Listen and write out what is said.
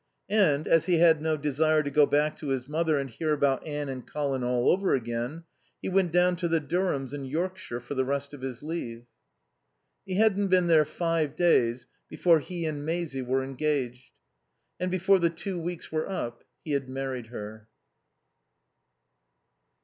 And, as he had no desire to go back to his mother and hear about Anne and Colin all over again, he went down to the Durhams' in Yorkshire for the rest of his leave. He hadn't been there five days before he and Maisie were engaged; and before the two weeks were up he had married her.